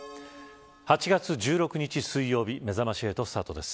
８月１６日水曜日めざまし８スタートです。